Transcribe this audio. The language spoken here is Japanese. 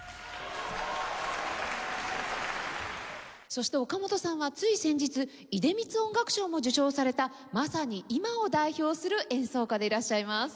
そして岡本さんはつい先日出光音楽賞も受賞されたまさに今を代表する演奏家でいらっしゃいます。